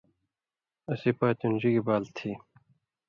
اسیں پاتو ڙِگیۡ بال تھی